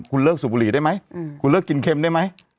คุณเลิกสูบบุหรี่ได้ไหมคุณเลิกกินเค็มได้ไหม